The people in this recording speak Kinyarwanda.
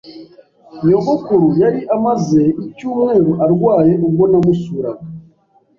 Nyogokuru yari amaze icyumweru arwaye ubwo namusuraga.